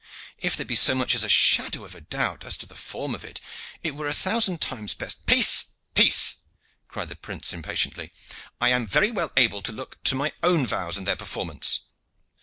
If there be so much as a shadow of a doubt as to the form of it, it were a thousand times best " "Peace! peace!" cried the prince impatiently. "I am very well able to look to my own vows and their performance.